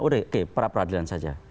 udah oke perapradilan saja